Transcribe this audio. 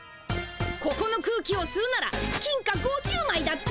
ここの空気をすうなら金貨５０まいだって。